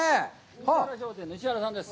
石原商店の石原さんです。